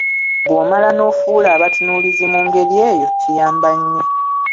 Bw’omala n’ofuula abatunuulizi mu ngeri eyo kiyamba nnyo.